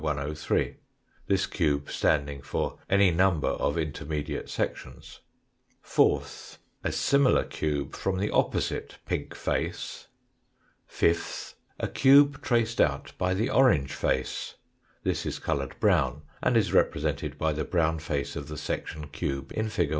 103, this cube standing for any number of inter mediate sections ; fourth, a similar cube from the opposite pink face ; fifth, a cube traced out by the orange face this is coloured brown and is represented by the brown face of the section cube in fig.